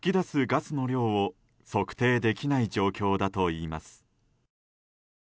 ガスの量を測定できない状況だといいます。